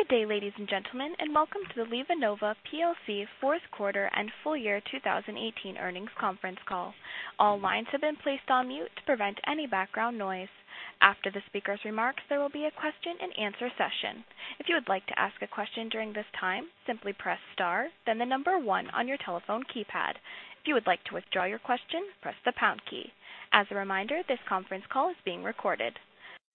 Good day, ladies and gentlemen, and welcome to the LivaNova PLC fourth quarter and full year 2018 earnings conference call. All lines have been placed on mute to prevent any background noise. After the speaker's remarks, there will be a question and answer session. If you would like to ask a question during this time, simply press star, then the number one on your telephone keypad. If you would like to withdraw your question, press the pound key. As a reminder, this conference call is being recorded.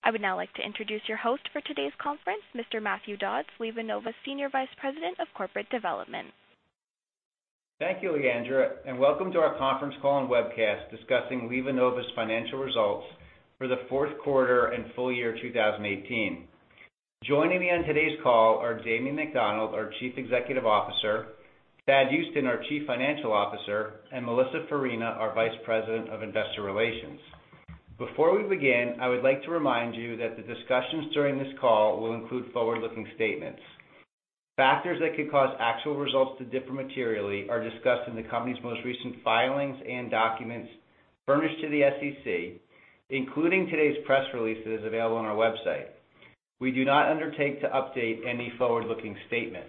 I would now like to introduce your host for today's conference, Mr. Matthew Dodds, LivaNova's Senior Vice President of Corporate Development. Thank you, Leandra, and welcome to our conference call and webcast discussing LivaNova's financial results for the fourth quarter and full year 2018. Joining me on today's call are Damien McDonald, our Chief Executive Officer, Thad Huston, our Chief Financial Officer, and Melissa Farina, our Vice President of Investor Relations. Before we begin, I would like to remind you that the discussions during this call will include forward-looking statements. Factors that could cause actual results to differ materially are discussed in the company's most recent filings and documents furnished to the SEC, including today's press release that is available on our website. We do not undertake to update any forward-looking statement.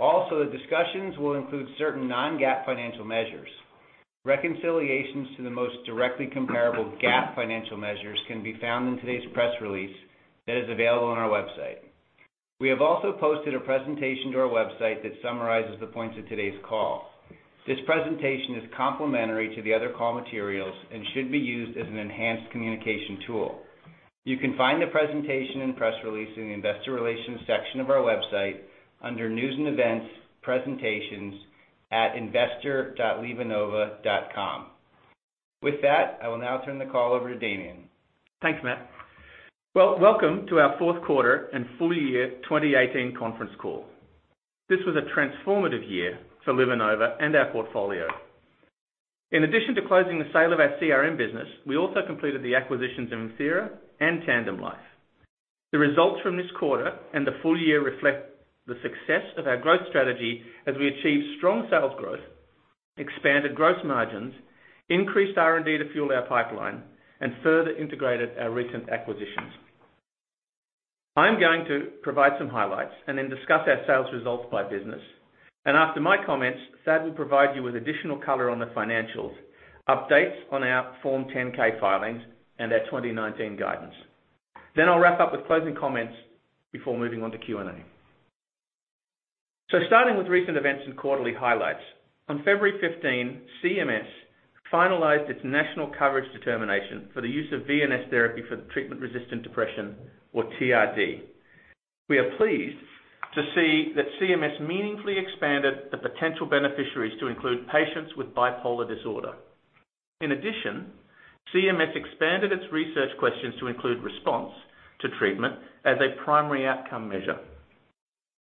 Also, the discussions will include certain non-GAAP financial measures. Reconciliations to the most directly comparable GAAP financial measures can be found in today's press release that is available on our website. We have also posted a presentation to our website that summarizes the points of today's call. This presentation is complementary to the other call materials and should be used as an enhanced communication tool. You can find the presentation and press release in the investor relations section of our website under News and Events, Presentations at investor.livanova.com. With that, I will now turn the call over to Damien. Thanks, Matt. Well, welcome to our fourth quarter and full year 2018 conference call. This was a transformative year for LivaNova and our portfolio. In addition to closing the sale of our CRM business, we also completed the acquisitions of Imthera and TandemLife. The results from this quarter and the full year reflect the success of our growth strategy as we achieve strong sales growth, expanded gross margins, increased R&D to fuel our pipeline, and further integrated our recent acquisitions. I'm going to provide some highlights and then discuss our sales results by business. After my comments, Thad will provide you with additional color on the financials, updates on our Form 10-K filings, and our 2019 guidance. I'll wrap up with closing comments before moving on to Q&A. Starting with recent events and quarterly highlights. On February 15, CMS finalized its national coverage determination for the use of VNS Therapy for treatment-resistant depression or TRD. We are pleased to see that CMS meaningfully expanded the potential beneficiaries to include patients with bipolar disorder. In addition, CMS expanded its research questions to include response to treatment as a primary outcome measure.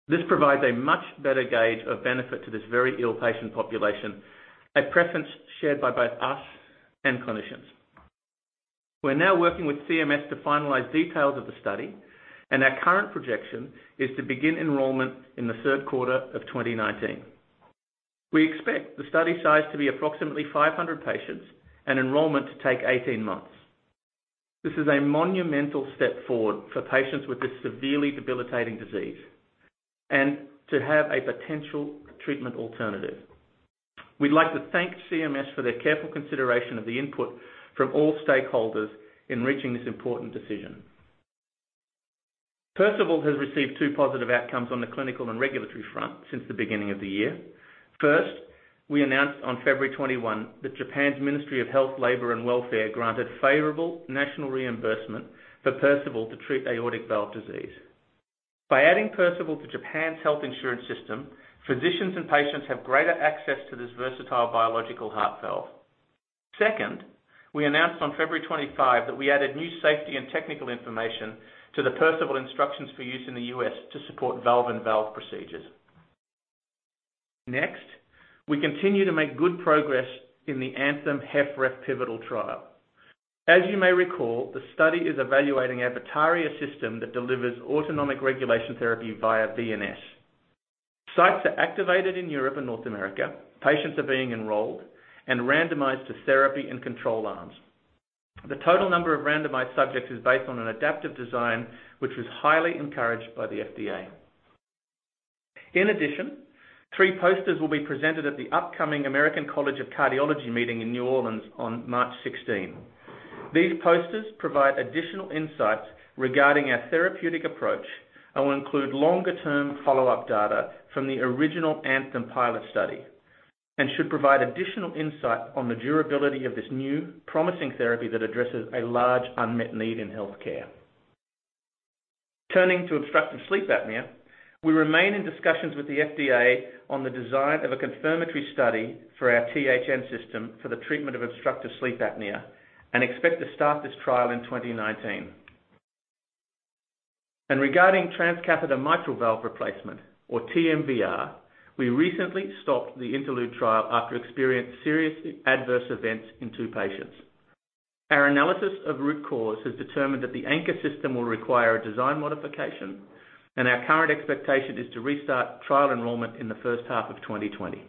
This provides a much better gauge of benefit to this very ill patient population, a preference shared by both us and clinicians. We are now working with CMS to finalize details of the study, and our current projection is to begin enrollment in the third quarter of 2019. We expect the study size to be approximately 500 patients and enrollment to take 18 months. This is a monumental step forward for patients with this severely debilitating disease and to have a potential treatment alternative. We would like to thank CMS for their careful consideration of the input from all stakeholders in reaching this important decision. Perceval has received two positive outcomes on the clinical and regulatory front since the beginning of the year. First, we announced on February 21 that Japan's Ministry of Health, Labour and Welfare granted favorable national reimbursement for Perceval to treat aortic valve disease. By adding Perceval to Japan's health insurance system, physicians and patients have greater access to this versatile biological heart valve. Second, we announced on February 25 that we added new safety and technical information to the Perceval instructions for use in the U.S. to support valve and valve procedures. We continue to make good progress in the ANTHEM-HFrEF pivotal trial. As you may recall, the study is evaluating a VITARIA system that delivers Autonomic Regulation Therapy via VNS. Sites are activated in Europe and North America. Patients are being enrolled and randomized to therapy and control arms. The total number of randomized subjects is based on an adaptive design, which was highly encouraged by the FDA. In addition, three posters will be presented at the upcoming American College of Cardiology meeting in New Orleans on March 16. These posters provide additional insights regarding our therapeutic approach and will include longer-term follow-up data from the original ANTHEM pilot study and should provide additional insight on the durability of this new promising therapy that addresses a large unmet need in healthcare. Turning to obstructive sleep apnea, we remain in discussions with the FDA on the design of a confirmatory study for our THN system for the treatment of obstructive sleep apnea and expect to start this trial in 2019. Regarding transcatheter mitral valve replacement or TMVR, we recently stopped the INTERLUDE trial after experiencing serious adverse events in two patients. Our analysis of root cause has determined that the anchor system will require a design modification, and our current expectation is to restart trial enrollment in the first half of 2020.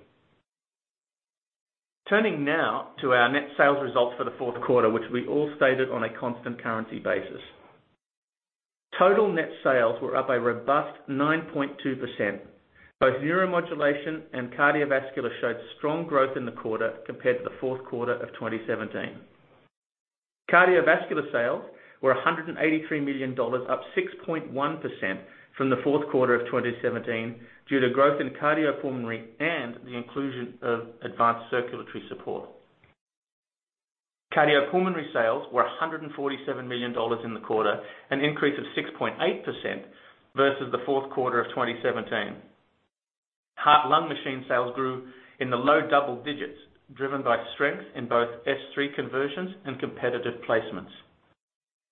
Turning now to our net sales results for the fourth quarter, which we all stated on a constant currency basis. Total net sales were up a robust 9.2%. Both Neuromodulation and Cardiovascular showed strong growth in the quarter compared to the fourth quarter of 2017. Cardiovascular sales were $183 million, up 6.1% from the fourth quarter of 2017, due to growth in Cardiopulmonary and the inclusion of advanced circulatory support. Cardiopulmonary sales were $147 million in the quarter, an increase of 6.8% versus the fourth quarter of 2017. Heart-lung machine sales grew in the low double digits, driven by strength in both S3 conversions and competitive placements.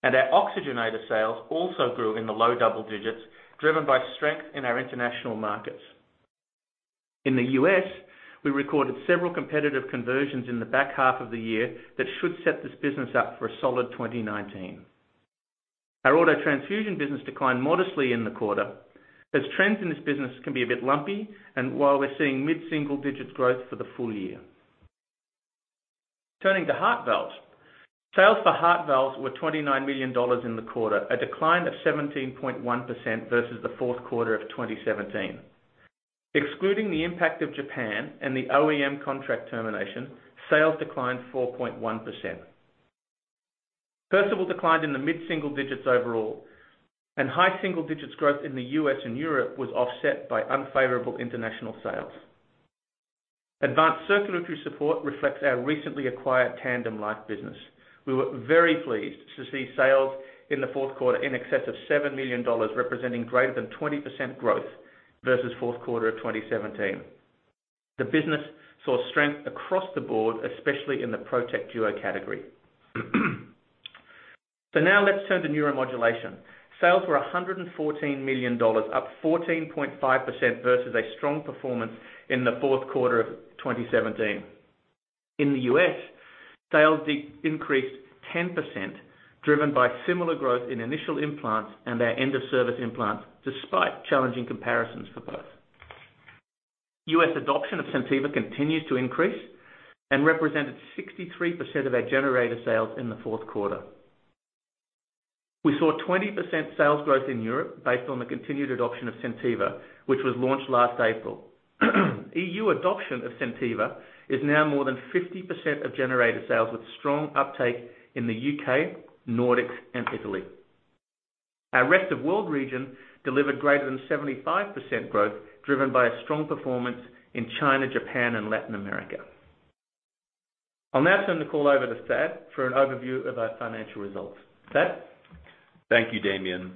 Our oxygenator sales also grew in the low double digits, driven by strength in our international markets. In the U.S., we recorded several competitive conversions in the back half of the year that should set this business up for a solid 2019. Our auto transfusion business declined modestly in the quarter, as trends in this business can be a bit lumpy, and while we're seeing mid-single digits growth for the full year. Turning to heart valves. Sales for heart valves were $29 million in the quarter, a decline of 17.1% versus the fourth quarter of 2017. Excluding the impact of Japan and the OEM contract termination, sales declined 4.1%. Perceval declined in the mid-single digits overall, high single digits growth in the U.S. and Europe was offset by unfavorable international sales. Advanced circulatory support reflects our recently acquired TandemLife business. We were very pleased to see sales in the fourth quarter in excess of $7 million, representing greater than 20% growth versus fourth quarter of 2017. The business saw strength across the board, especially in the ProteKDuo category. Now let's turn to Neuromodulation. Sales were $114 million, up 14.5% versus a strong performance in the fourth quarter of 2017. In the U.S., sales increased 10%, driven by similar growth in initial implants and our end-of-service implants despite challenging comparisons for both. U.S. adoption of SenTiva continues to increase and represented 63% of our generator sales in the fourth quarter. We saw 20% sales growth in Europe based on the continued adoption of SenTiva, which was launched last April. EU adoption of SenTiva is now more than 50% of generator sales, with strong uptake in the U.K., Nordics, and Italy. Our rest of world region delivered greater than 75% growth, driven by a strong performance in China, Japan, and Latin America. I'll now turn the call over to Thad for an overview of our financial results. Thad? Thank you, Damien.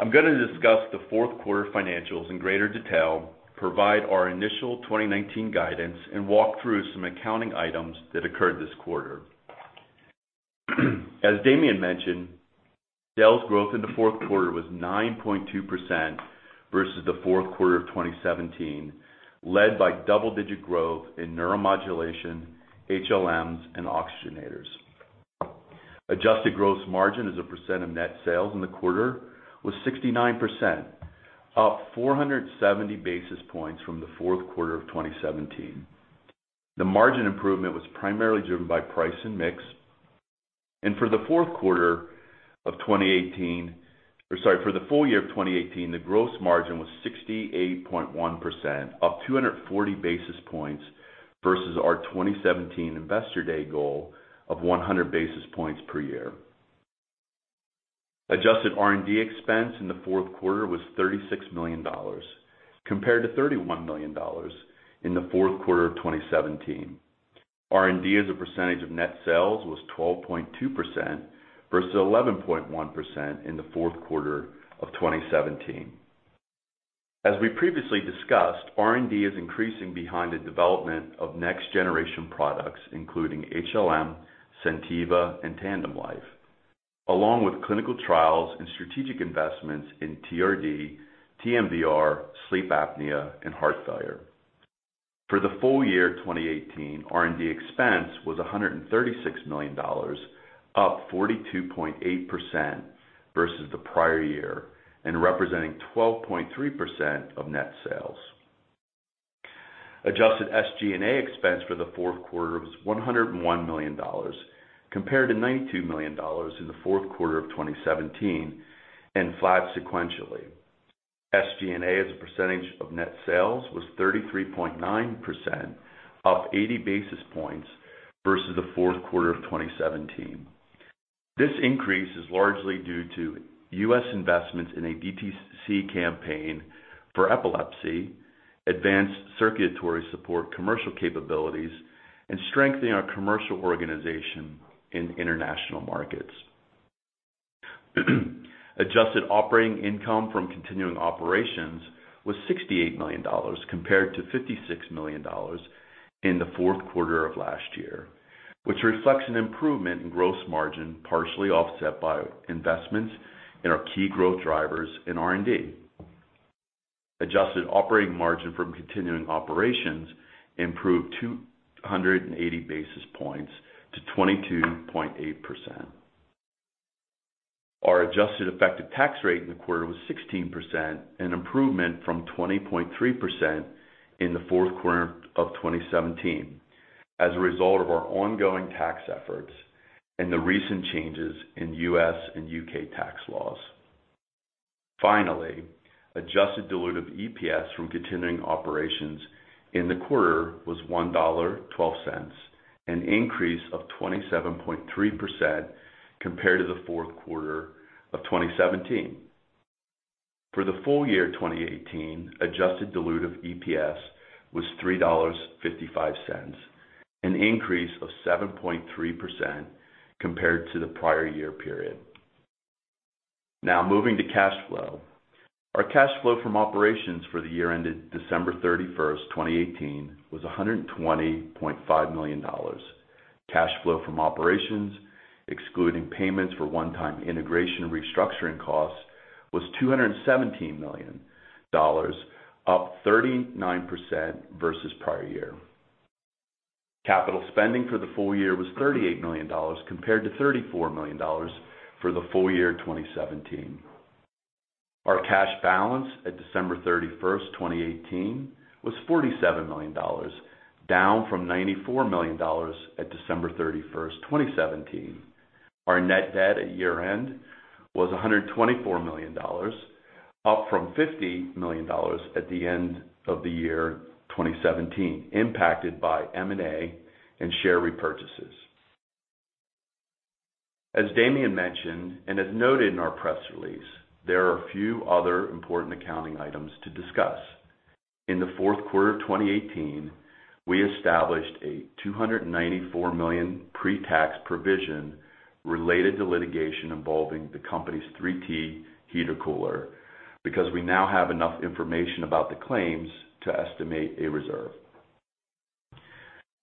I'm going to discuss the fourth quarter financials in greater detail, provide our initial 2019 guidance, and walk through some accounting items that occurred this quarter. As Damien mentioned, sales growth in the fourth quarter was 9.2% versus the fourth quarter of 2017, led by double-digit growth in Neuromodulation, HLMs, and oxygenators. Adjusted gross margin as a percent of net sales in the quarter was 69%, up 470 basis points from the fourth quarter of 2017. The margin improvement was primarily driven by price and mix. For the fourth quarter of 2018, or sorry, for the full year of 2018, the gross margin was 68.1%, up 240 basis points versus our 2017 Investor Day goal of 100 basis points per year. Adjusted R&D expense in the fourth quarter was $36 million compared to $31 million in the fourth quarter of 2017. R&D as a percentage of net sales was 12.2% versus 11.1% in the fourth quarter of 2017. As we previously discussed, R&D is increasing behind the development of next-generation products, including HLM, SenTiva, and TandemLife, along with clinical trials and strategic investments in TRD, TMVR, sleep apnea, and heart failure. For the full year 2018, R&D expense was $136 million, up 42.8% versus the prior year and representing 12.3% of net sales. Adjusted SG&A expense for the fourth quarter was $101 million compared to $92 million in the fourth quarter of 2017, and flat sequentially. SG&A as a percentage of net sales was 33.9%, up 80 basis points versus the fourth quarter of 2017. This increase is largely due to U.S. investments in a DTC campaign for epilepsy, advanced circulatory support commercial capabilities, and strengthening our commercial organization in international markets. Adjusted operating income from continuing operations was $68 million, compared to $56 million in the fourth quarter of last year, which reflects an improvement in gross margin, partially offset by investments in our key growth drivers in R&D. Adjusted operating margin from continuing operations improved 280 basis points to 22.8%. Our adjusted effective tax rate in the quarter was 16%, an improvement from 20.3% in the fourth quarter of 2017, as a result of our ongoing tax efforts and the recent changes in U.S. and U.K. tax laws. Finally, adjusted dilutive EPS from continuing operations in the quarter was $1.12, an increase of 27.3% compared to the fourth quarter of 2017. For the full year 2018, adjusted dilutive EPS was $3.55, an increase of 7.3% compared to the prior year period. Now moving to cash flow. Our cash flow from operations for the year ended December 31st, 2018 was $120.5 million. Cash flow from operations, excluding payments for one-time integration and restructuring costs, was $217 million, up 39% versus prior year. Capital spending for the full year was $38 million compared to $34 million for the full year 2017. Our cash balance at December 31st, 2018 was $47 million, down from $94 million at December 31st, 2017. Our net debt at year-end was $124 million, up from $50 million at the end of the year 2017, impacted by M&A and share repurchases. As Damien mentioned and as noted in our press release, there are a few other important accounting items to discuss. In the fourth quarter of 2018, we established a $294 million pre-tax provision related to litigation involving the company's 3T heater-cooler because we now have enough information about the claims to estimate a reserve.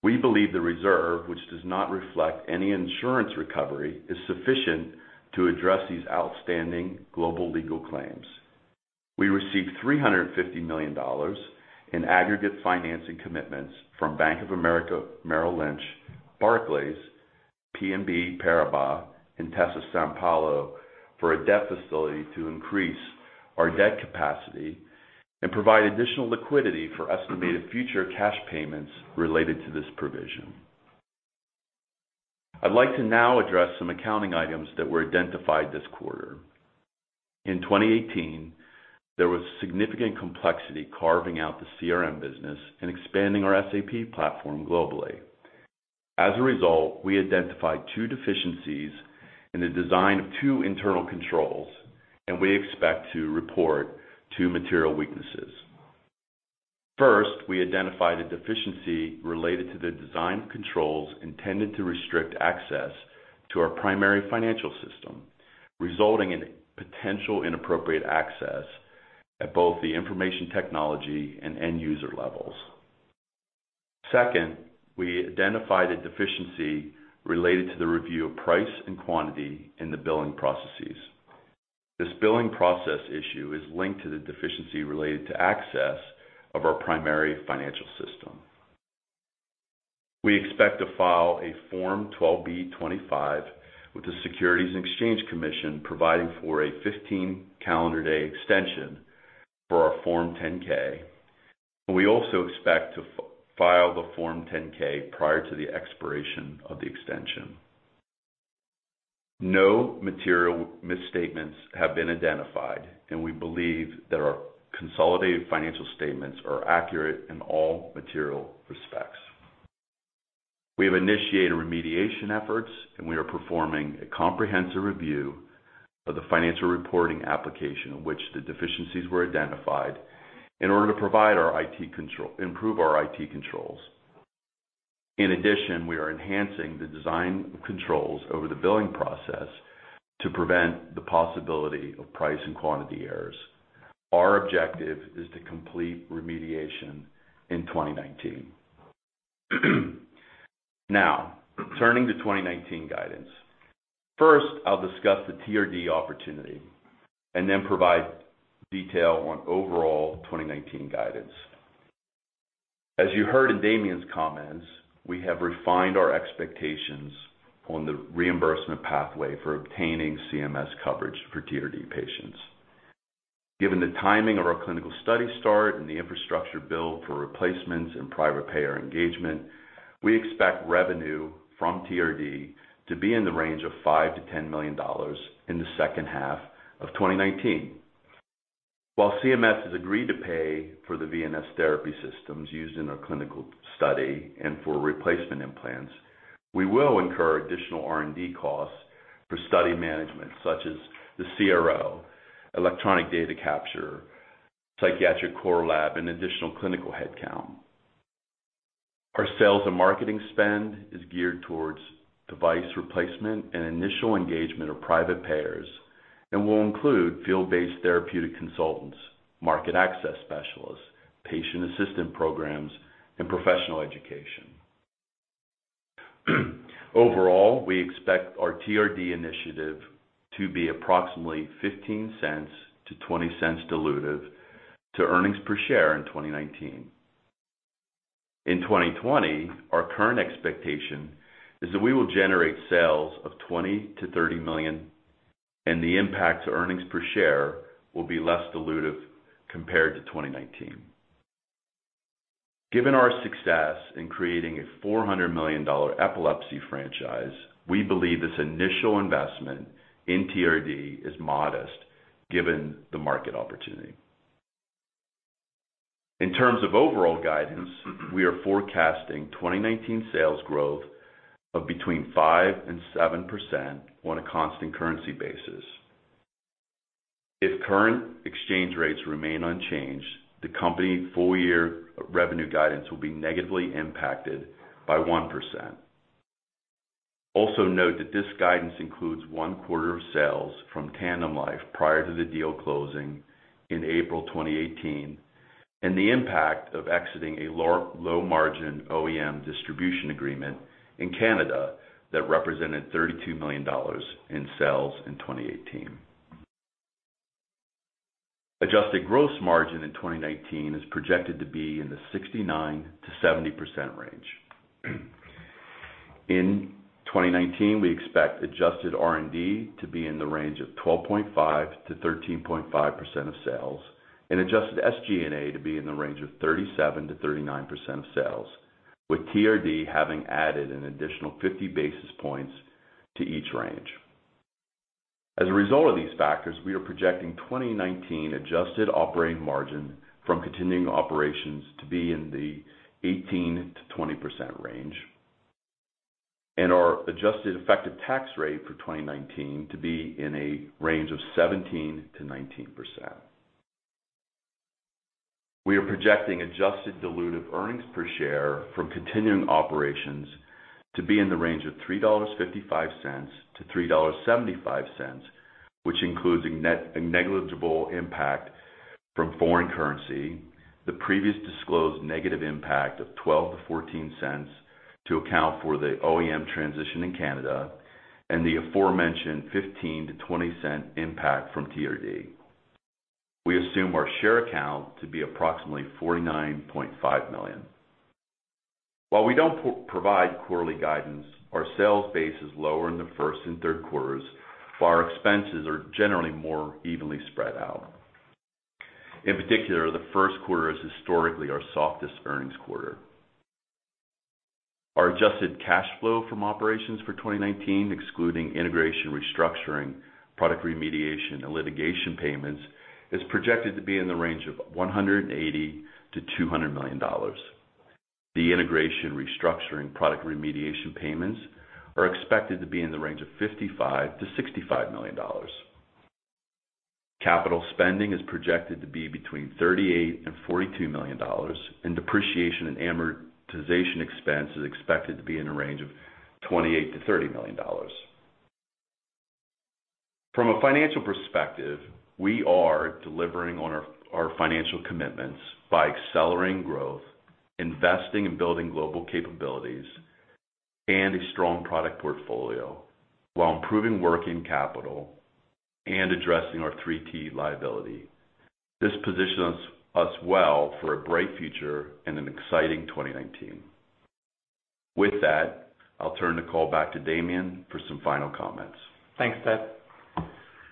We believe the reserve, which does not reflect any insurance recovery, is sufficient to address these outstanding global legal claims. We received $350 million in aggregate financing commitments from Bank of America, Merrill Lynch, Barclays, BNP Paribas, and Intesa Sanpaolo for a debt facility to increase our debt capacity and provide additional liquidity for estimated future cash payments related to this provision. I'd like to now address some accounting items that were identified this quarter. In 2018, there was significant complexity carving out the CRM business and expanding our SAP platform globally. As a result, we identified two deficiencies in the design of two internal controls, and we expect to report two material weaknesses. First, we identified a deficiency related to the design of controls intended to restrict access to our primary financial system, resulting in potential inappropriate access at both the information technology and end-user levels. Second, we identified a deficiency related to the review of price and quantity in the billing processes. This billing process issue is linked to the deficiency related to access of our primary financial system. We expect to file a Form 12b-25 with the Securities and Exchange Commission providing for a 15-calendar day extension for our Form 10-K, and we also expect to file the Form 10-K prior to the expiration of the extension. No material misstatements have been identified, and we believe that our consolidated financial statements are accurate in all material respects. We have initiated remediation efforts, and we are performing a comprehensive review of the financial reporting application in which the deficiencies were identified in order to improve our IT controls. In addition, we are enhancing the design of controls over the billing process to prevent the possibility of price and quantity errors. Our objective is to complete remediation in 2019. Now, turning to 2019 guidance. First, I'll discuss the TRD opportunity and then provide detail on overall 2019 guidance. As you heard in Damien's comments, we have refined our expectations on the reimbursement pathway for obtaining CMS coverage for TRD patients. Given the timing of our clinical study start and the infrastructure build for replacements and private payer engagement, we expect revenue from TRD to be in the range of $5 million to $10 million in the second half of 2019. While CMS has agreed to pay for the VNS Therapy System used in our clinical study and for replacement implants, we will incur additional R&D costs for study management, such as the CRO, electronic data capture, psychiatric core lab, and additional clinical headcount. Our sales and marketing spend is geared towards device replacement and initial engagement of private payers and will include field-based therapeutic consultants, market access specialists, patient assistant programs, and professional education. Overall, we expect our TRD initiative to be approximately $0.15 to $0.20 dilutive to earnings per share in 2019. In 2020, our current expectation is that we will generate sales of $20 million to $30 million, and the impact to earnings per share will be less dilutive compared to 2019. Given our success in creating a $400 million epilepsy franchise, we believe this initial investment in TRD is modest given the market opportunity. In terms of overall guidance, we are forecasting 2019 sales growth of between 5% and 7% on a constant currency basis. If current exchange rates remain unchanged, the company full year revenue guidance will be negatively impacted by 1%. Also note that this guidance includes one quarter of sales from TandemLife prior to the deal closing in April 2018, and the impact of exiting a low margin OEM distribution agreement in Canada that represented $32 million in sales in 2018. Adjusted gross margin in 2019 is projected to be in the 69%-70% range. In 2019, we expect adjusted R&D to be in the range of 12.5%-13.5% of sales and adjusted SG&A to be in the range of 37%-39% of sales, with TRD having added an additional 50 basis points to each range. As a result of these factors, we are projecting 2019 adjusted operating margin from continuing operations to be in the 18%-20% range, and our adjusted effective tax rate for 2019 to be in a range of 17%-19%. We are projecting adjusted dilutive earnings per share from continuing operations to be in the range of $3.55-$3.75, which includes a negligible impact from foreign currency, the previous disclosed negative impact of $0.12-$0.14 to account for the OEM transition in Canada, and the aforementioned $0.15-$0.20 impact from TRD. We assume our share count to be approximately 49.5 million. While we don't provide quarterly guidance, our sales base is lower in the first and third quarters while our expenses are generally more evenly spread out. In particular, the first quarter is historically our softest earnings quarter. Our adjusted cash flow from operations for 2019, excluding integration, restructuring, product remediation, and litigation payments, is projected to be in the range of $180 million-$200 million. De-integration, restructuring, product remediation payments are expected to be in the range of $55 million-$65 million. Capital spending is projected to be between $38 million and $42 million, and depreciation and amortization expense is expected to be in the range of $28 million-$30 million. From a financial perspective, we are delivering on our financial commitments by accelerating growth, investing in building global capabilities, and a strong product portfolio while improving working capital and addressing our 3T liability. This positions us well for a bright future and an exciting 2019. With that, I'll turn the call back to Damien for some final comments. Thanks, Thad.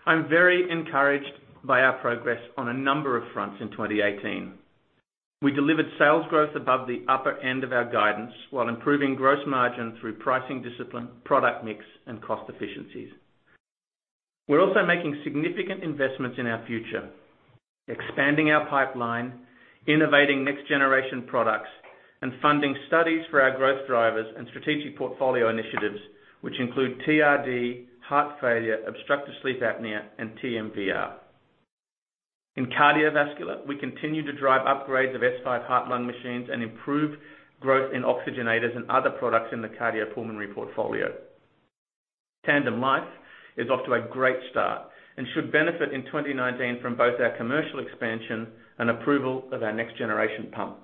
I'm very encouraged by our progress on a number of fronts in 2018. We delivered sales growth above the upper end of our guidance while improving gross margin through pricing discipline, product mix, and cost efficiencies. We're also making significant investments in our future, expanding our pipeline, innovating next-generation products, and funding studies for our growth drivers and strategic portfolio initiatives, which include TRD, heart failure, obstructive sleep apnea, and TMVR. In cardiovascular, we continue to drive upgrades of S5 heart-lung machines and improve growth in oxygenators and other products in the cardiopulmonary portfolio. TandemLife is off to a great start and should benefit in 2019 from both our commercial expansion and approval of our next-generation pump.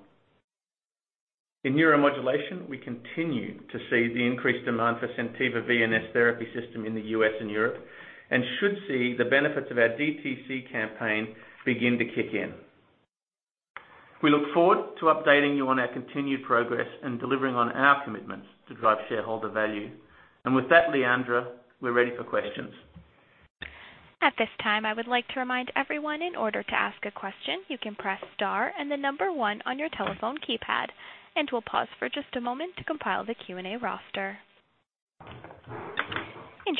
In Neuromodulation, we continue to see the increased demand for SenTiva VNS Therapy System in the U.S. and Europe and should see the benefits of our DTC campaign begin to kick in. We look forward to updating you on our continued progress and delivering on our commitments to drive shareholder value. With that, Leandra, we're ready for questions. At this time, I would like to remind everyone, in order to ask a question, you can press star and the number 1 on your telephone keypad, and we'll pause for just a moment to compile the Q&A roster.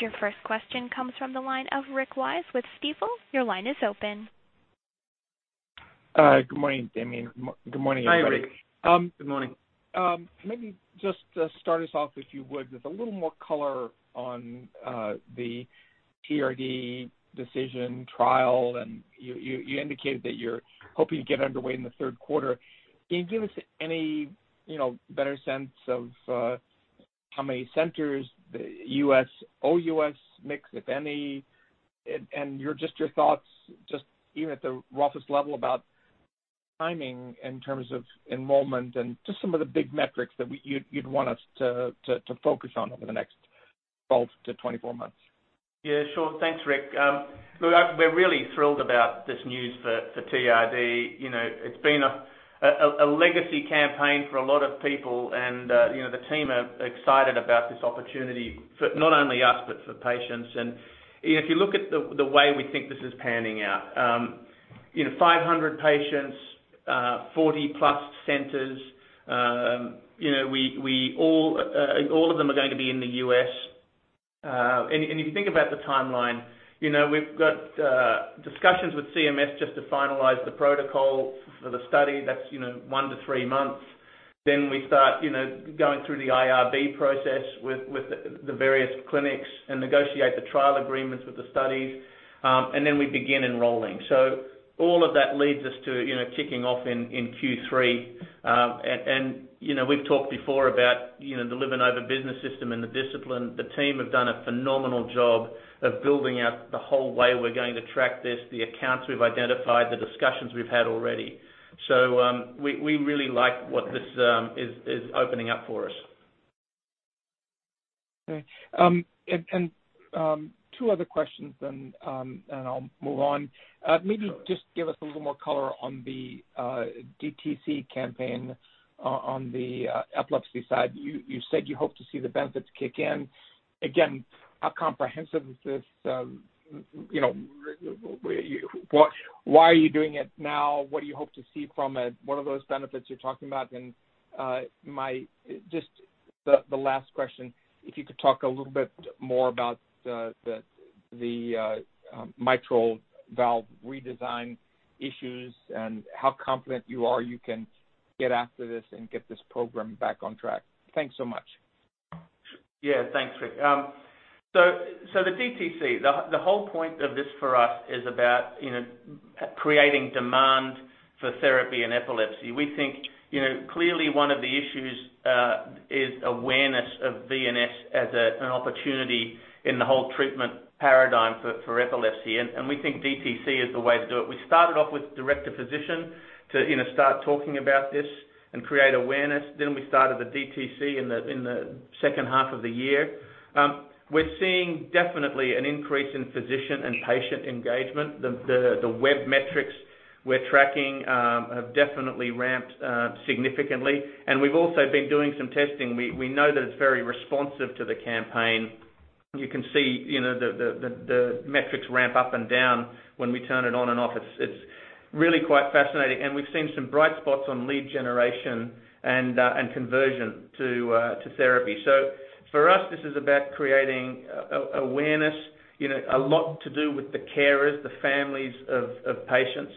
Your first question comes from the line of Rick Wise with Stifel. Your line is open. Good morning, Damien. Good morning, everybody. Hi, Rick. Good morning. Maybe just start us off, if you would, with a little more color on the TRD decision trial, and you indicated that you're hoping to get underway in the third quarter. Can you give us any better sense of how many centers, the U.S., OUS mix, if any, and just your thoughts, just even at the roughest level, about timing in terms of enrollment and just some of the big metrics that you'd want us to focus on over the next 12 to 24 months. Yeah, sure. Thanks, Rick. Look, we're really thrilled about this news for TRD. It's been a legacy campaign for a lot of people, the team are excited about this opportunity for not only us, but for patients. If you look at the way we think this is panning out, 500 patients, 40-plus centers, all of them are going to be in the U.S. If you think about the timeline, we've got discussions with CMS just to finalize the protocol for the study. That's one to three months. We start going through the IRB process with the various clinics and negotiate the trial agreements with the studies. We begin enrolling. All of that leads us to kicking off in Q3. We've talked before about the LivaNova business system and the discipline. The team have done a phenomenal job of building out the whole way we're going to track this, the accounts we've identified, the discussions we've had already. We really like what this is opening up for us. Okay. Two other questions then I'll move on. Sure. Maybe just give us a little more color on the DTC campaign on the epilepsy side. You said you hope to see the benefits kick in. Again, how comprehensive is this? Why are you doing it now? What do you hope to see from it? What are those benefits you're talking about? Just the last question, if you could talk a little bit more about the mitral valve redesign issues and how confident you are you can get after this and get this program back on track. Thanks so much. Yeah. Thanks, Rick. The DTC, the whole point of this for us is about creating demand for therapy in epilepsy. We think, clearly one of the issues is awareness of VNS as an opportunity in the whole treatment paradigm for epilepsy. We think DTC is the way to do it. We started off with direct to physician to start talking about this and create awareness. We started the DTC in the second half of the year. We're seeing definitely an increase in physician and patient engagement. The web metrics we're tracking have definitely ramped significantly. We've also been doing some testing. We know that it's very responsive to the campaign. You can see the metrics ramp up and down when we turn it on and off. It's really quite fascinating. We've seen some bright spots on lead generation and conversion to therapy. For us, this is about creating awareness. A lot to do with the carers, the families of patients.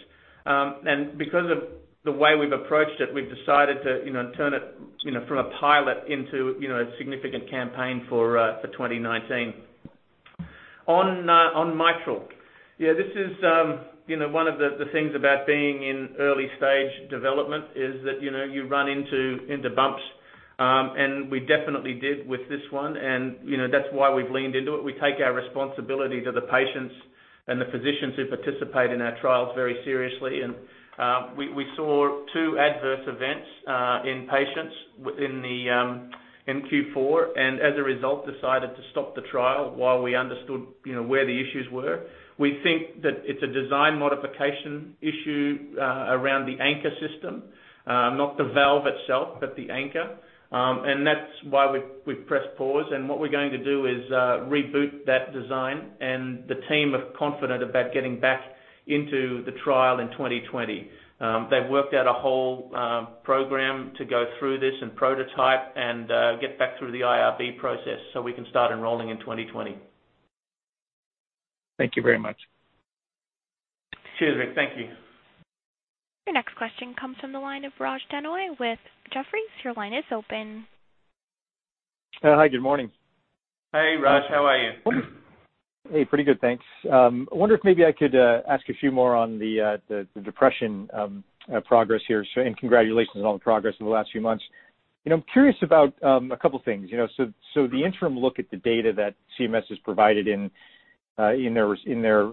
Because of the way we've approached it, we've decided to turn it from a pilot into a significant campaign for 2019. On mitral. This is one of the things about being in early stage development is that you run into bumps. We definitely did with this one, and that's why we've leaned into it. We take our responsibility to the patients and the physicians who participate in our trials very seriously. We saw two adverse events in patients within Q4, and as a result, decided to stop the trial while we understood where the issues were. We think that it's a design modification issue around the anchor system. Not the valve itself, but the anchor. That's why we've pressed pause. What we're going to do is reboot that design. The team are confident about getting back into the trial in 2020. They've worked out a whole program to go through this and prototype and get back through the IRB process so we can start enrolling in 2020. Thank you very much. Cheers, Rick. Thank you. Your next question comes from the line of Raj Denhoy with Jefferies. Your line is open. Hi, good morning. Hey, Raj. How are you? Hey, pretty good, thanks. I wonder if maybe I could ask a few more on the depression progress here. Congratulations on all the progress over the last few months. I'm curious about a couple of things. The interim look at the data that CMS has provided in their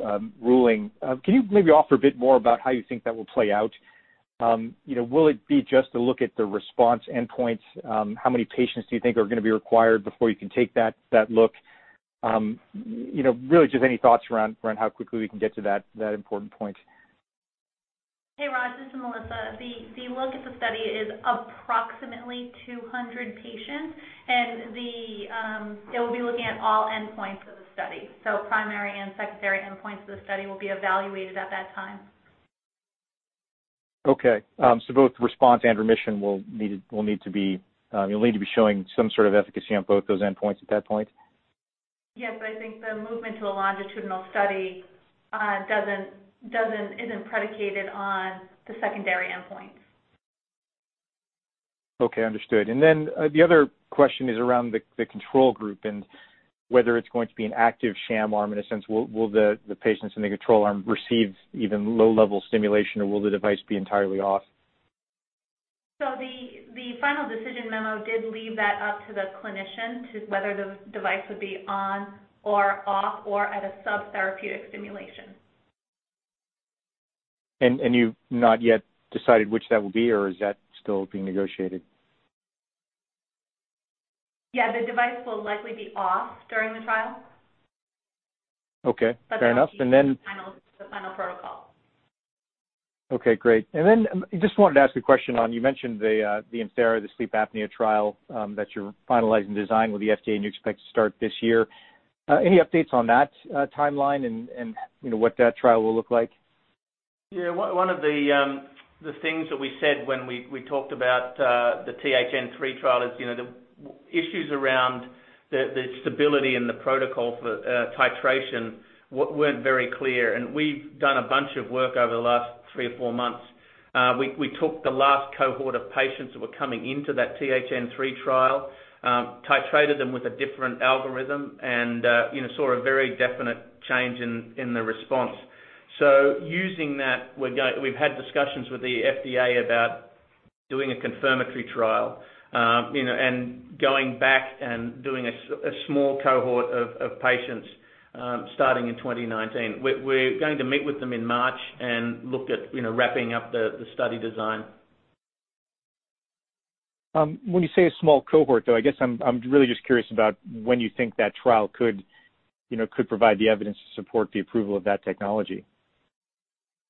ruling, can you maybe offer a bit more about how you think that will play out? Will it be just a look at the response endpoints? How many patients do you think are going to be required before you can take that look? Really just any thoughts around how quickly we can get to that important point. Hey, Raj, this is Melissa. The look at the study is approximately 200 patients, They will be looking at all endpoints of the study. Primary and secondary endpoints of the study will be evaluated at that time. Okay. Both response and remission you'll need to be showing some sort of efficacy on both those endpoints at that point? Yes, I think the movement to a longitudinal study isn't predicated on the secondary endpoint. Okay, understood. The other question is around the control group and whether it's going to be an active sham arm, in a sense. Will the patients in the control arm receive even low-level stimulation, or will the device be entirely off? The final decision memo did leave that up to the clinician to whether the device would be on or off or at a subtherapeutic stimulation. You've not yet decided which that will be, or is that still being negotiated? Yeah, the device will likely be off during the trial. Okay. Fair enough. That will be in the final protocol. Okay, great. Just wanted to ask a question on, you mentioned the Imthera, the sleep apnea trial that you're finalizing design with the FDA, and you expect to start this year. Any updates on that timeline and what that trial will look like? Yeah. One of the things that we said when we talked about the THN3 trial is, the issues around the stability and the protocol for titration weren't very clear, and we've done a bunch of work over the last three or four months. We took the last cohort of patients that were coming into that THN3 trial, titrated them with a different algorithm, and saw a very definite change in the response. Using that, we've had discussions with the FDA about doing a confirmatory trial, and going back and doing a small cohort of patients, starting in 2019. We're going to meet with them in March and look at wrapping up the study design. When you say a small cohort, though, I guess I'm really just curious about when you think that trial could provide the evidence to support the approval of that technology.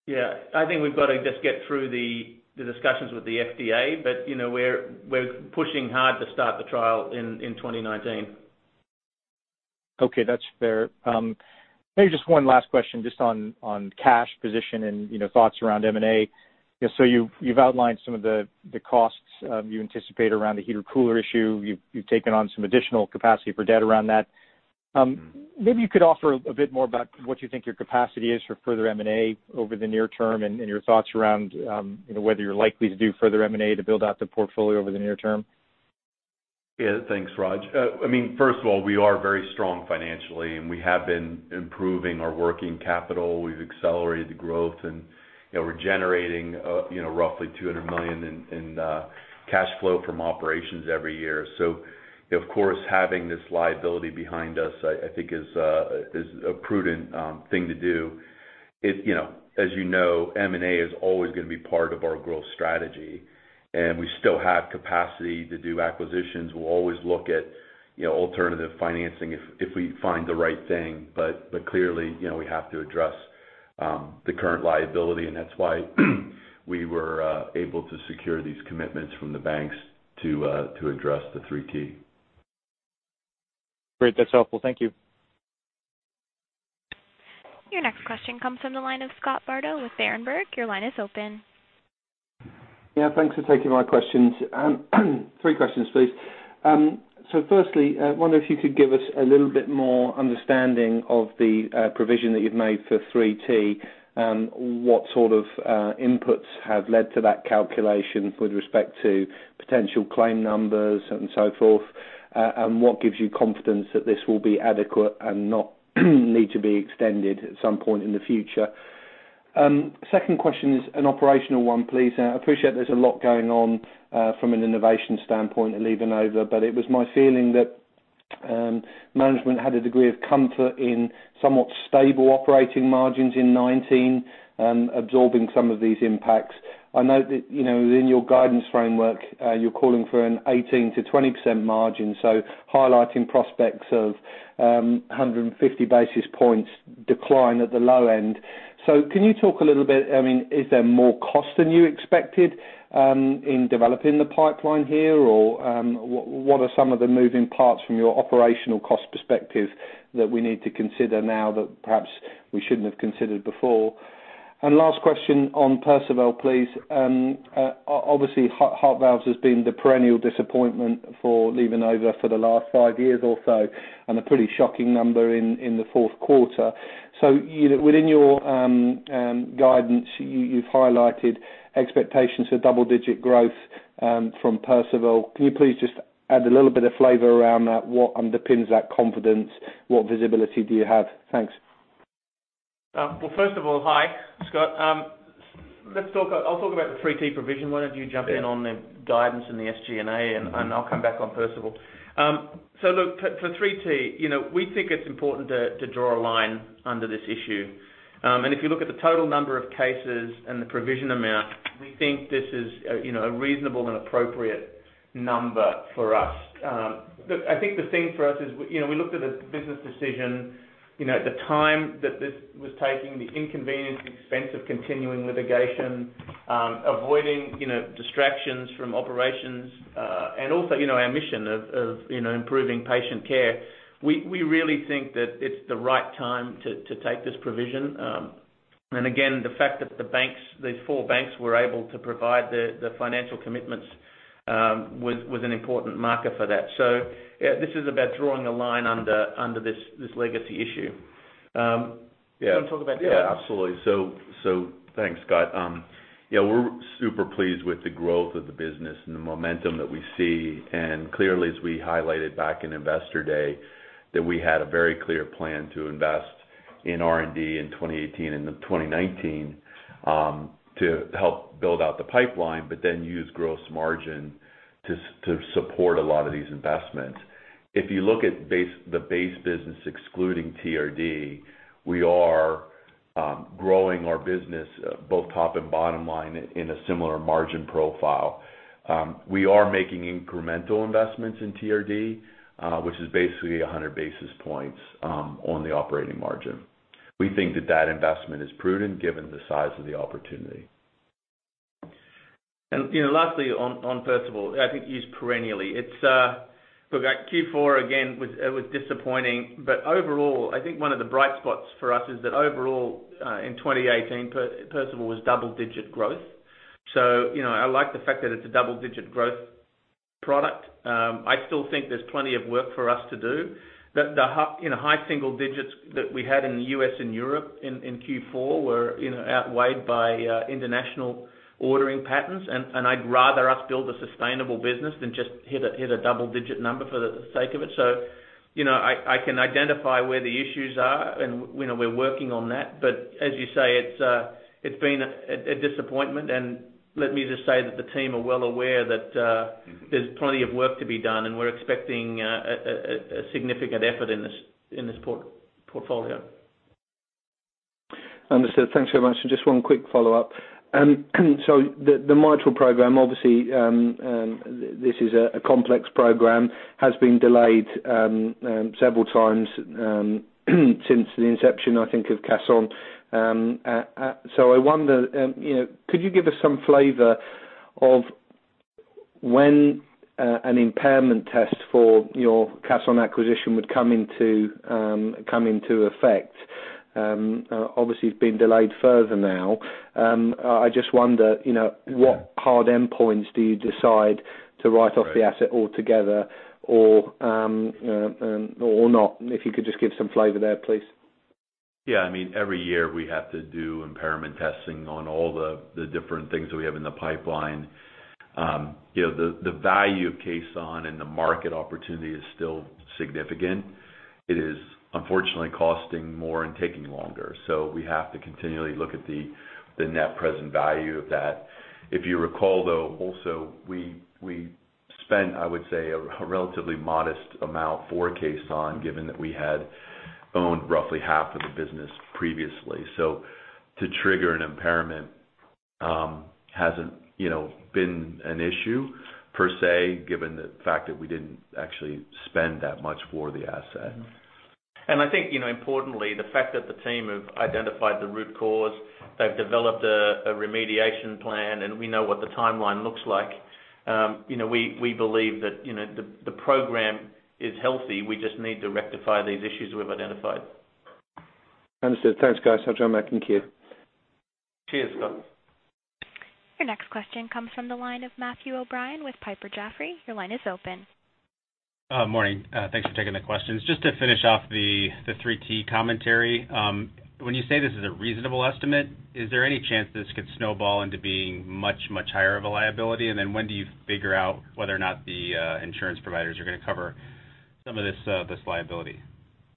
Yeah. I think we've got to just get through the discussions with the FDA. We're pushing hard to start the trial in 2019. Okay. That's fair. Maybe just one last question just on cash position and thoughts around M&A. You've outlined some of the costs you anticipate around the heater-cooler issue. You've taken on some additional capacity for debt around that. Maybe you could offer a bit more about what you think your capacity is for further M&A over the near term, and your thoughts around whether you're likely to do further M&A to build out the portfolio over the near term. Yeah. Thanks, Raj. First of all, we are very strong financially, and we have been improving our working capital. We've accelerated the growth, and we're generating roughly $200 million in cash flow from operations every year. Of course, having this liability behind us, I think is a prudent thing to do. As you know, M&A is always going to be part of our growth strategy, and we still have capacity to do acquisitions. We'll always look at alternative financing if we find the right thing. Clearly, we have to address the current liability, and that's why we were able to secure these commitments from the banks to address the 3T. Great. That's helpful. Thank you. Your next question comes from the line of Scott Bardo with Berenberg. Your line is open. Thanks for taking my questions. Three questions, please. Firstly, I wonder if you could give us a little bit more understanding of the provision that you've made for 3T. What sort of inputs have led to that calculation with respect to potential claim numbers and so forth? What gives you confidence that this will be adequate and not need to be extended at some point in the future? Second question is an operational one, please. I appreciate there's a lot going on from an innovation standpoint at LivaNova, but it was my feeling that management had a degree of comfort in somewhat stable operating margins in 2019, absorbing some of these impacts. I note that within your guidance framework, you're calling for an 18%-20% margin. Highlighting prospects of 150 basis points decline at the low end. Can you talk a little bit, is there more cost than you expected in developing the pipeline here, or what are some of the moving parts from your operational cost perspective that we need to consider now that perhaps we shouldn't have considered before? Last question on Perceval, please. Obviously, heart valves has been the perennial disappointment for LivaNova for the last five years or so, and a pretty shocking number in the fourth quarter. Within your guidance, you've highlighted expectations for double-digit growth from Perceval. Can you please just add a little bit of flavor around that? What underpins that confidence? What visibility do you have? Thanks. Well, first of all, hi, Scott. I'll talk about the 3T provision. Why don't you jump in- Yeah on the guidance and the SG&A, and I'll come back on Perceval. Look, for 3T, we think it's important to draw a line under this issue. If you look at the total number of cases and the provision amount, we think this is a reasonable and appropriate number for us. Look, I think the thing for us is, we looked at a business decision. The time that this was taking, the inconvenience and expense of continuing litigation, avoiding distractions from operations, and also our mission of improving patient care. We really think that it's the right time to take this provision. Again, the fact that these four banks were able to provide the financial commitments was an important marker for that. Yeah, this is about drawing a line under this legacy issue. Do you want to talk about the other? Absolutely. Thanks, Scott. We are super pleased with the growth of the business and the momentum that we see. Clearly, as we highlighted back in Investor Day, that we had a very clear plan to invest in R&D in 2018 and 2019 to help build out the pipeline, then use gross margin to support a lot of these investments. If you look at the base business excluding TRD, we are growing our business, both top and bottom line, in a similar margin profile. We are making incremental investments in TRD, which is basically 100 basis points on the operating margin. We think that that investment is prudent given the size of the opportunity. Lastly, on Perceval, I think used perennially. Q4, again, it was disappointing. Overall, I think one of the bright spots for us is that overall, in 2018, Perceval was double-digit growth. I like the fact that it's a double-digit growth product. I still think there's plenty of work for us to do. The high single digits that we had in the U.S. and Europe in Q4 were outweighed by international ordering patterns. I'd rather us build a sustainable business than just hit a double-digit number for the sake of it. I can identify where the issues are, and we're working on that. As you say, it's been a disappointment, and let me just say that the team are well aware that there's plenty of work to be done, and we're expecting a significant effort in this portfolio. Understood. Thanks very much. Just one quick follow-up. The mitral program, obviously, this is a complex program, has been delayed several times since the inception, I think, of Caisson. I wonder, could you give us some flavor of when an impairment test for your Caisson acquisition would come into effect? Obviously, it's been delayed further now. I just wonder what hard endpoints do you decide to write off- Right the asset altogether or not? If you could just give some flavor there, please. Yeah. Every year we have to do impairment testing on all the different things that we have in the pipeline. The value of Caisson and the market opportunity is still significant. It is unfortunately costing more and taking longer. We have to continually look at the net present value of that. If you recall, though, also, we spent, I would say, a relatively modest amount for Caisson, given that we had owned roughly half of the business previously. To trigger an impairment hasn't been an issue per se, given the fact that we didn't actually spend that much for the asset. I think, importantly, the fact that the team have identified the root cause, they've developed a remediation plan, and we know what the timeline looks like. We believe that the program is healthy. We just need to rectify these issues we've identified. Understood. Thanks, guys. I'll talk to you later. Thank you. Cheers, Scott. Your next question comes from the line of Matthew O'Brien with Piper Jaffray. Your line is open. Morning. Thanks for taking the questions. Just to finish off the 3T commentary. When you say this is a reasonable estimate, is there any chance this could snowball into being much, much higher of a liability? When do you figure out whether or not the insurance providers are going to cover some of this liability?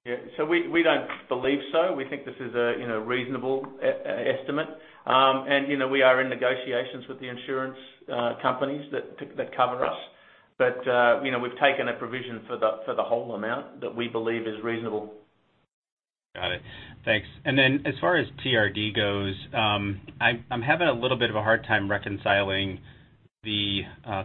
Yeah. We don't believe so. We think this is a reasonable estimate. We are in negotiations with the insurance companies that cover us. We've taken a provision for the whole amount that we believe is reasonable. Got it. Thanks. As far as TRD goes, I'm having a little bit of a hard time reconciling the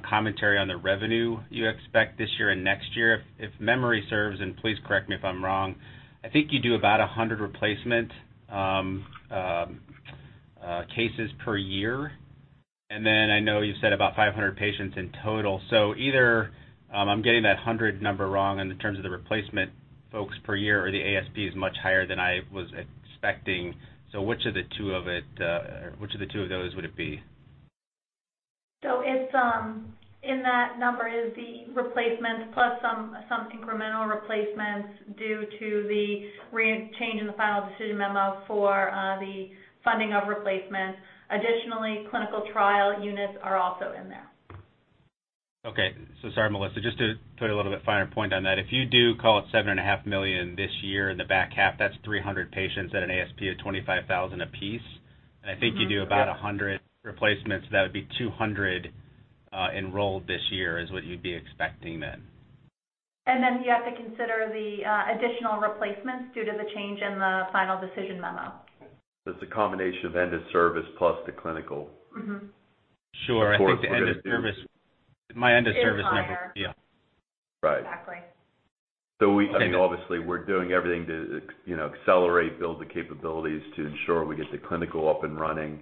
commentary on the revenue you expect this year and next year. If memory serves, and please correct me if I'm wrong, I think you do about 100 replacement cases per year. I know you said about 500 patients in total. Either I'm getting that 100 number wrong in terms of the replacement folks per year, or the ASP is much higher than I was expecting. Which of the two of those would it be? In that number is the replacements plus some incremental replacements due to the change in the final decision memo for the funding of replacements. Additionally, clinical trial units are also in there. Okay. Sorry, Melissa, just to put a little bit finer point on that, if you do call it $7.5 million this year in the back half, that's 300 patients at an ASP of $25,000 a piece. I think you do about 100 replacements. That would be 200 enrolled this year is what you'd be expecting then. You have to consider the additional replacements due to the change in the final decision memo. It's a combination of end of service plus the clinical. Sure. I think the end of service. Is higher. End of service number. Yeah. Right. Exactly. We, obviously, we're doing everything to accelerate, build the capabilities to ensure we get the clinical up and running.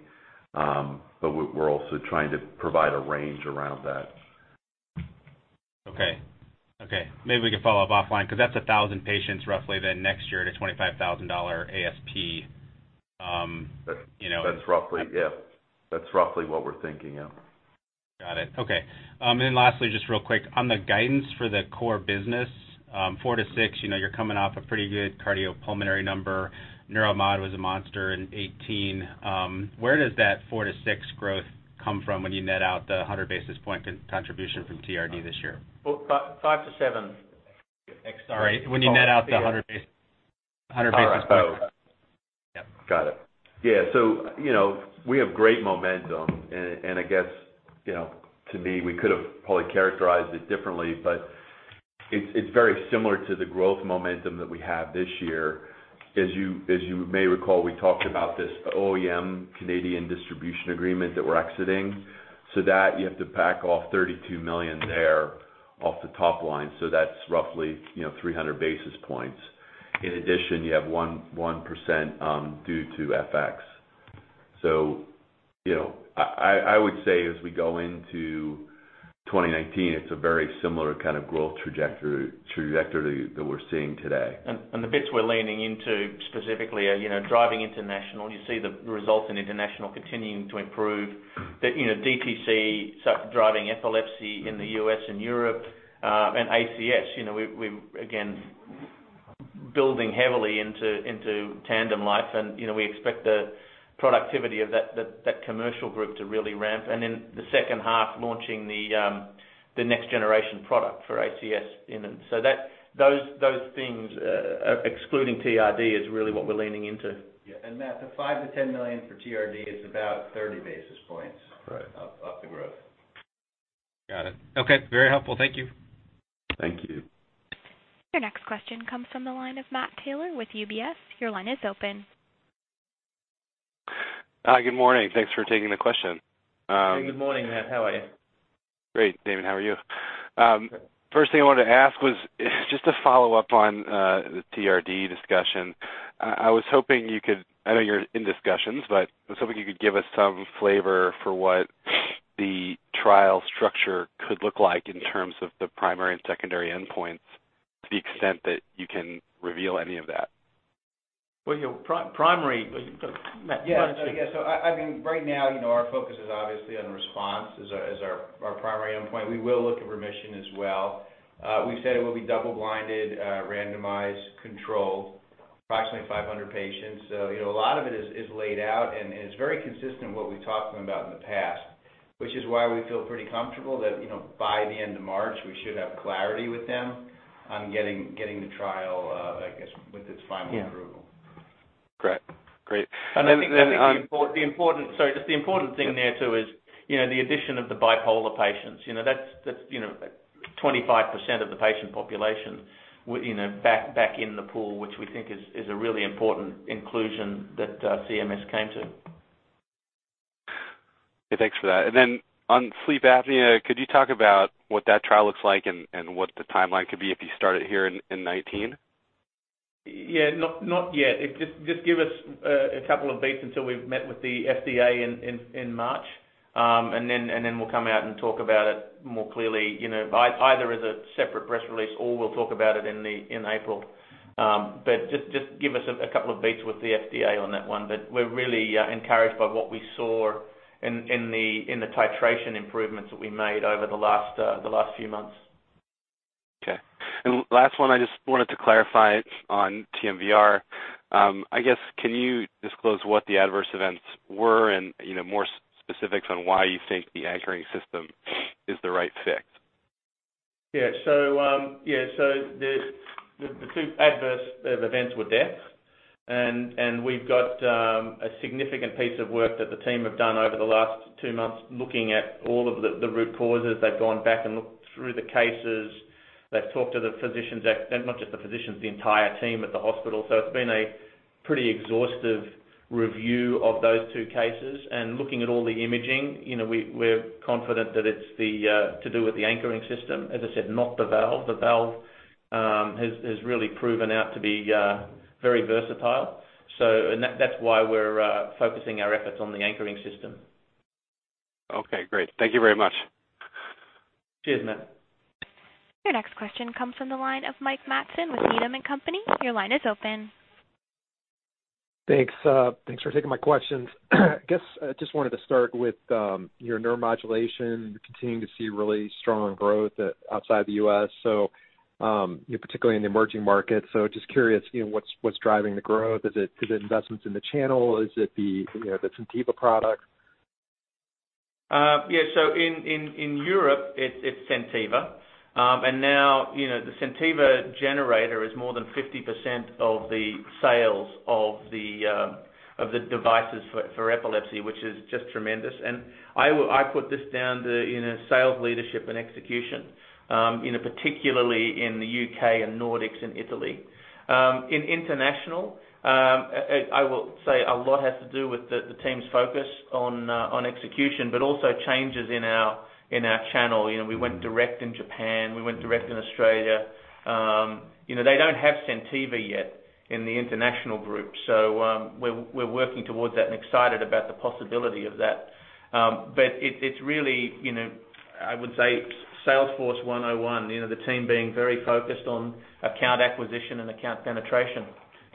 We're also trying to provide a range around that. Okay. Maybe we could follow up offline, because that's 1,000 patients roughly then next year at a $25,000 ASP. That's roughly Yeah. That's roughly what we're thinking, yeah. Got it. Okay. Lastly, just real quick, on the guidance for the core business, 4%-6%, you're coming off a pretty good cardiopulmonary number. Neuromodulation was a monster in 2018. Where does that 4%-6% growth come from when you net out the 100 basis point contribution from TRD this year? Well, five to seven. Sorry, when you net out the 100 basis points. Yeah. Got it. Yeah. We have great momentum, and I guess, to me, we could have probably characterized it differently. It's very similar to the growth momentum that we have this year. As you may recall, we talked about this OEM Canadian distribution agreement that we're exiting. That you have to back off $32 million there off the top line. That's roughly 300 basis points. In addition, you have 1% due to FX. I would say as we go into 2019, it's a very similar kind of growth trajectory that we're seeing today. The bits we're leaning into specifically are driving international. You see the results in international continuing to improve. DTC driving epilepsy in the U.S. and Europe, and ACS. We, again, building heavily into TandemLife and we expect the productivity of that commercial group to really ramp. In the second half, launching the next generation product for ACS. Those things, excluding TRD, is really what we're leaning into. Yeah. Matt, the $5 million-$10 million for TRD is about 30 basis points. Right of the growth. Got it. Okay. Very helpful. Thank you. Thank you. Your next question comes from the line of Matt Taylor with UBS. Your line is open. Hi. Good morning. Thanks for taking the question. Hey, good morning, Matt. How are you? Great, Damien. How are you? First thing I wanted to ask was just to follow up on the TRD discussion. I was hoping you could, I know you're in discussions, but I was hoping you could give us some flavor for what the trial structure could look like in terms of the primary and secondary endpoints to the extent that you can reveal any of that. Well, your primary Matt, do you want to take it? Right now, our focus is obviously on response as our primary endpoint. We will look at remission as well. We've said it will be double-blinded, randomized, controlled, approximately 500 patients. A lot of it is laid out, and it's very consistent what we've talked to them about in the past, which is why we feel pretty comfortable that, by the end of March, we should have clarity with them on getting the trial, I guess, with its final approval. Yeah. Great. Then on- I think the important, sorry, just the important thing there too is the addition of the bipolar patients. That's 25% of the patient population back in the pool, which we think is a really important inclusion that CMS came to. Thanks for that. On sleep apnea, could you talk about what that trial looks like and what the timeline could be if you start it here in 2019? Not yet. Just give us a couple of beats until we've met with the FDA in March. We'll come out and talk about it more clearly, either as a separate press release or we'll talk about it in April. Just give us a couple of beats with the FDA on that one. We're really encouraged by what we saw in the titration improvements that we made over the last few months. Last one, I just wanted to clarify on TMVR. I guess, can you disclose what the adverse events were and more specifics on why you think the anchoring system is the right fix? The two adverse events were death. We've got a significant piece of work that the team have done over the last two months looking at all of the root causes. They've gone back and looked through the cases. They've talked to the physicians, not just the physicians, the entire team at the hospital. It's been a pretty exhaustive review of those two cases. Looking at all the imaging, we're confident that it's to do with the anchoring system. As I said, not the valve. The valve has really proven out to be very versatile. That's why we're focusing our efforts on the anchoring system. Okay, great. Thank you very much. Cheers, Matt. Your next question comes from the line of Mike Matson with Needham & Company. Your line is open. Thanks. Thanks for taking my questions. Guess I just wanted to start with your Neuromodulation. You're continuing to see really strong growth outside the U.S., so particularly in the emerging markets. Just curious, what's driving the growth? Is it investments in the channel? Is it the SenTiva product? Yeah. In Europe, it's SenTiva. The SenTiva generator is more than 50% of the sales of the devices for epilepsy, which is just tremendous. I put this down to sales leadership and execution, particularly in the U.K. and Nordics and Italy. In international, I will say a lot has to do with the team's focus on execution, but also changes in our channel. We went direct in Japan, we went direct in Australia. They don't have SenTiva yet in the international group, so we're working towards that and excited about the possibility of that. It's really, I would say, sales force 101. The team being very focused on account acquisition and account penetration.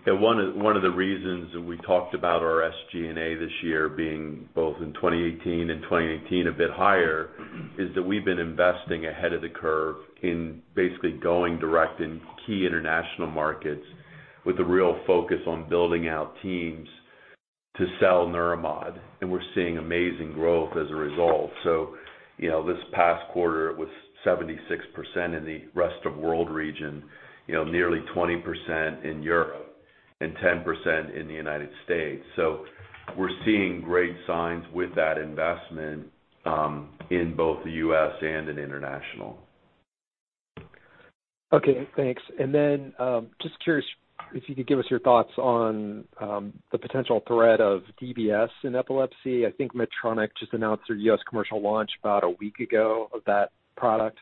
Yeah. One of the reasons that we talked about our SG&A this year being both in 2018 and 2019 a bit higher is that we've been investing ahead of the curve in basically going direct in key international markets with a real focus on building out teams to sell Neuromodulation. We're seeing amazing growth as a result. This past quarter, it was 76% in the rest of world region, nearly 20% in Europe. And 10% in the United States. We're seeing great signs with that investment, in both the U.S. and in international. Okay, thanks. Then, just curious if you could give us your thoughts on, the potential threat of DBS in epilepsy. I think Medtronic just announced their U.S. commercial launch about a week ago of that product.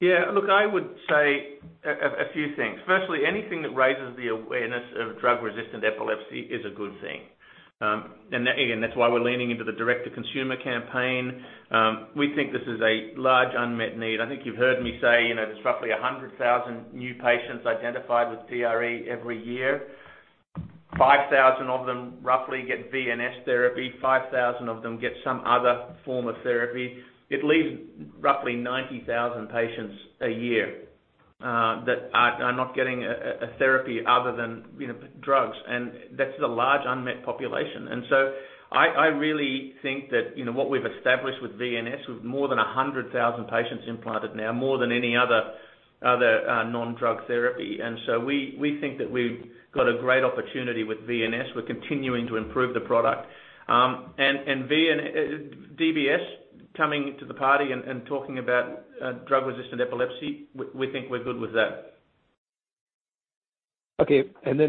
Yeah, look, I would say a few things. Firstly, anything that raises the awareness of drug-resistant epilepsy is a good thing. Again, that's why we're leaning into the direct-to-consumer campaign. We think this is a large unmet need. I think you've heard me say, there's roughly 100,000 new patients identified with DRE every year. 5,000 of them, roughly, get VNS therapy. 5,000 of them get some other form of therapy. It leaves roughly 90,000 patients a year that are not getting a therapy other than drugs, and that's a large unmet population. I really think that what we've established with VNS, with more than 100,000 patients implanted now, more than any other non-drug therapy. We think that we've got a great opportunity with VNS. We're continuing to improve the product. DBS coming to the party and talking about drug-resistant epilepsy, we think we're good with that. Okay.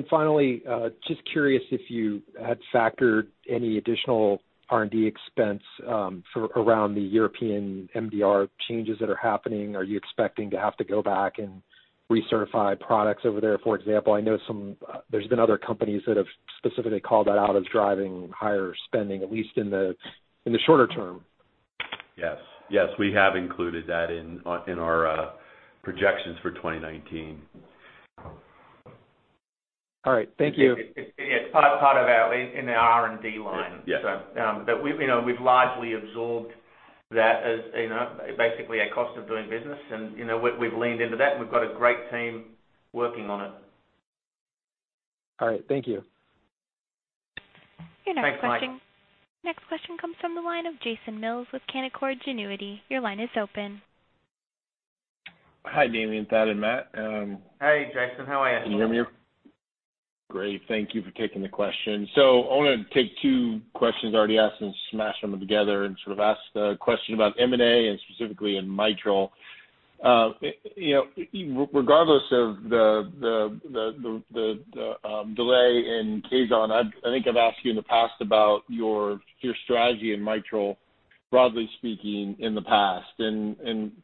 Finally, just curious if you had factored any additional R&D expense, for around the European Medical Device Regulation changes that are happening. Are you expecting to have to go back and recertify products over there, for example? I know there's been other companies that have specifically called that out as driving higher spending, at least in the shorter term. Yes. We have included that in our projections for 2019. All right. Thank you. Yeah. It's part of our in the R&D line. Yeah. We've largely absorbed that as basically a cost of doing business, and we've leaned into that, and we've got a great team working on it. All right. Thank you. Thanks, Mike. Your next question comes from the line of Jason Mills with Canaccord Genuity. Your line is open. Hi, Damien, Thad, and Matt. Hi, Jason. How are you? Can you hear me? Great. Thank you for taking the question. I want to take two questions already asked and smash them together and sort of ask a question about M&A and specifically in mitral. Regardless of the delay in Caisson, I think I've asked you in the past about your strategy in mitral, broadly speaking, in the past.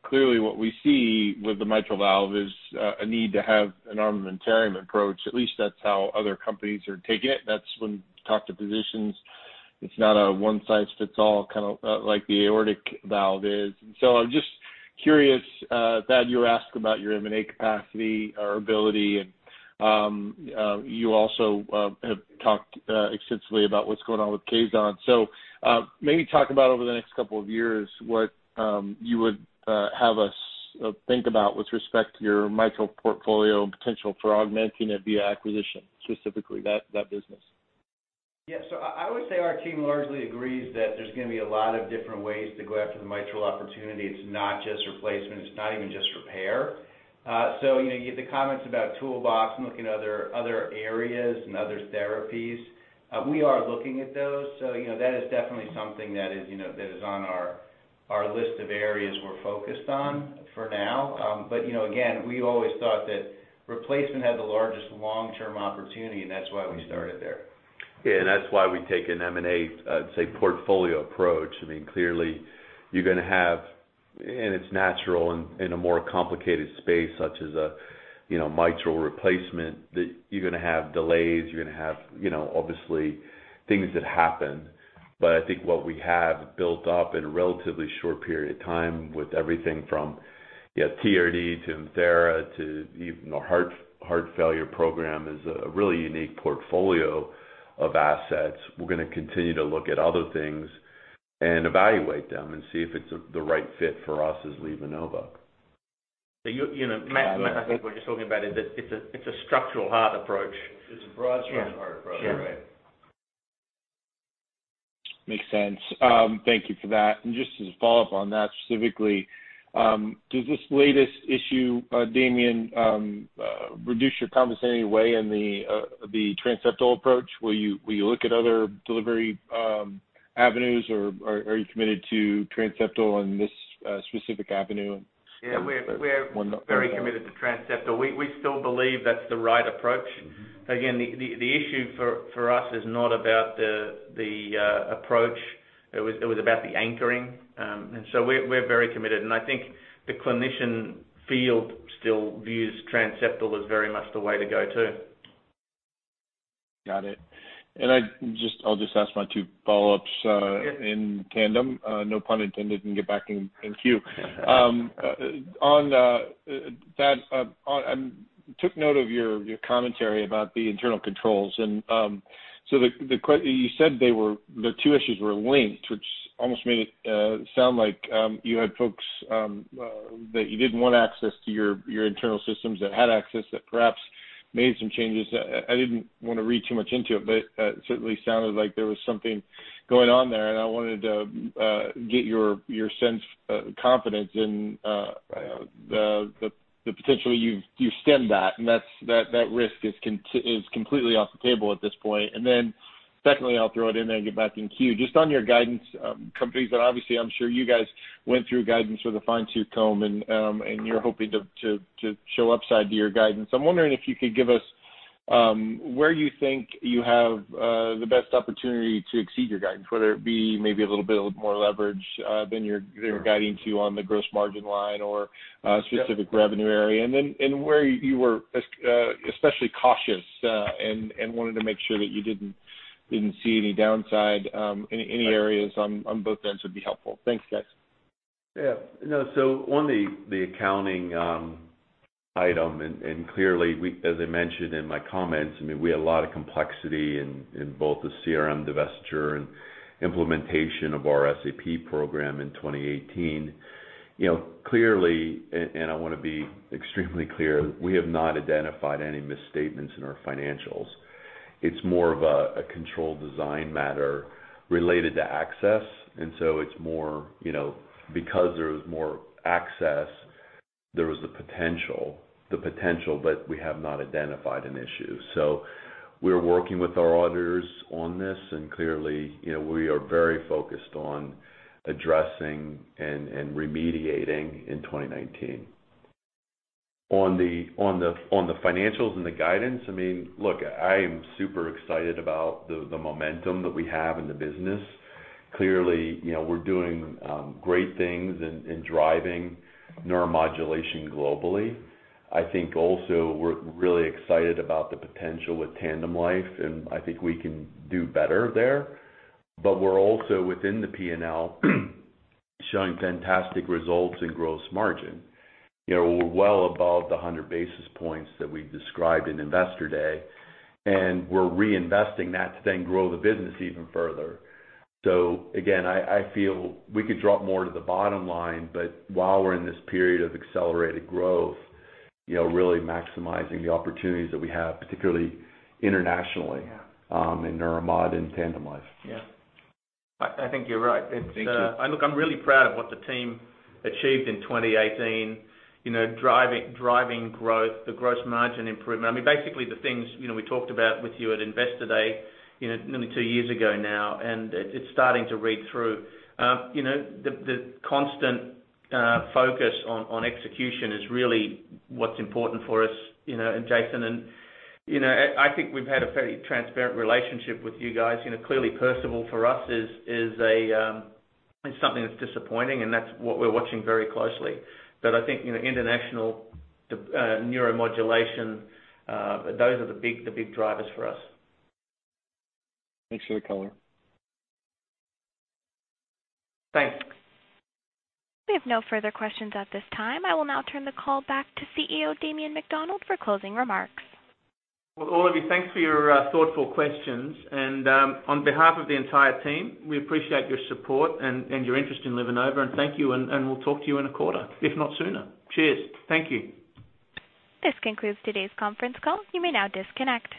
Clearly what we see with the mitral valve is a need to have an armamentarium approach. At least that's how other companies are taking it. That's when talk to physicians, it's not a one-size-fits-all kind of like the aortic valve is. I'm just curious, Thad, you were asked about your M&A capacity or ability, and you also have talked extensively about what's going on with Caisson. Maybe talk about over the next couple of years, what you would have us think about with respect to your mitral portfolio potential for augmenting it via acquisition, specifically that business. Yeah. I would say our team largely agrees that there's going to be a lot of different ways to go after the mitral opportunity. It's not just replacement, it's not even just repair. The comments about toolbox and looking at other areas and other therapies, we are looking at those. That is definitely something that is on our list of areas we're focused on for now. Again, we always thought that replacement had the largest long-term opportunity, and that's why we started there. Yeah, that's why we take an M&A, I'd say, portfolio approach. Clearly, you're going to have, and it's natural in a more complicated space such as a mitral replacement, that you're going to have delays, you're going to have, obviously things that happen. I think what we have built up in a relatively short period of time with everything from TRD to Imthera to even our heart failure program is a really unique portfolio of assets. We're going to continue to look at other things and evaluate them and see if it's the right fit for us as LivaNova. Matt, I think what you're talking about is it's a structural heart approach. It's a broad structural heart approach. Yeah. Makes sense. Thank you for that. Just as a follow-up on that specifically, does this latest issue, Damien, reduce your confidence any way in the transseptal approach? Will you look at other delivery avenues, or are you committed to transseptal and this specific avenue? Yeah, we're very committed to transseptal. We still believe that's the right approach. Again, the issue for us is not about the approach. It was about the anchoring. We're very committed, and I think the clinician field still views transseptal as very much the way to go too. Got it. I'll just ask my two follow-ups in tandem, no pun intended, and get back in queue. Thad, I took note of your commentary about the internal controls. You said the two issues were linked, which almost made it sound like you had folks that you didn't want access to your internal systems that had access that perhaps made some changes. I didn't want to read too much into it, but it certainly sounded like there was something going on there, and I wanted to get your sense of confidence in the potential you've stemmed that, and that risk is completely off the table at this point. Secondly, I'll throw it in there and get back in queue. Just on your guidance, companies that obviously I'm sure you guys went through guidance with a fine-tooth comb, and you're hoping to show upside to your guidance. I'm wondering if you could give us where you think you have the best opportunity to exceed your guidance, whether it be maybe a little bit more leverage than you're guiding to on the gross margin line or a specific revenue area. Where you were especially cautious and wanted to make sure that you didn't see any downside in any areas on both ends would be helpful. Thanks, guys. On the accounting item, clearly as I mentioned in my comments, we had a lot of complexity in both the CRM divestiture and implementation of our SAP program in 2018. Clearly, I want to be extremely clear, we have not identified any misstatements in our financials. It's more of a control design matter related to access. It's more, because there was more access, there was the potential, but we have not identified an issue. We're working with our auditors on this, clearly, we are very focused on addressing and remediating in 2019. On the financials and the guidance, I am super excited about the momentum that we have in the business. Clearly, we're doing great things in driving Neuromodulation globally. I think also we're really excited about the potential with TandemLife, and I think we can do better there. We're also within the P&L showing fantastic results in gross margin. We're well above the 100 basis points that we described in Investor Day, we're reinvesting that to then grow the business even further. Again, I feel we could drop more to the bottom line, while we're in this period of accelerated growth, really maximizing the opportunities that we have, particularly internationally in Neuromodulation and TandemLife. Yeah. I think you're right. Thank you. Look, I'm really proud of what the team achieved in 2018, driving growth, the gross margin improvement. Basically the things we talked about with you at Investor Day nearly two years ago now, it's starting to read through. The constant focus on execution is really what's important for us, Jason. I think we've had a fairly transparent relationship with you guys. Clearly, Perceval for us is something that's disappointing, that's what we're watching very closely. I think, international Neuromodulation, those are the big drivers for us. Thanks for the color. Thanks. We have no further questions at this time. I will now turn the call back to CEO, Damien McDonald, for closing remarks. Well, all of you, thanks for your thoughtful questions. On behalf of the entire team, we appreciate your support and your interest in LivaNova. Thank you, we'll talk to you in a quarter, if not sooner. Cheers. Thank you. This concludes today's conference call. You may now disconnect.